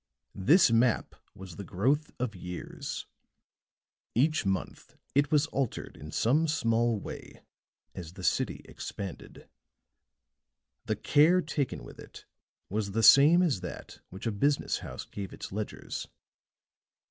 This map was the growth of years; each month it was altered in some small way as the city expanded; the care taken with it was the same as that which a business house gave its ledgers.